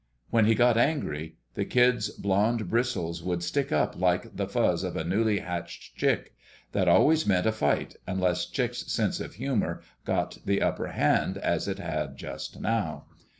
When he got angry, the kid's blond bristles would stick up like the fuzz of a newly hatched chick. That always meant a fight, unless Chick's sense of humor got the upper hand, as it had just now.